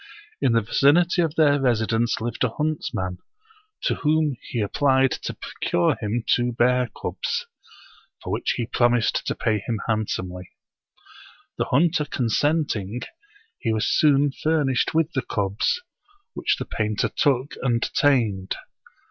In the vicinity of their residence lived a huntsman, to whom he applied to procure him two bear cubs, for which he promised to pay him handsomely. The hunter consent ing, he was soon furnished with the cubs, which the painter took and tamed.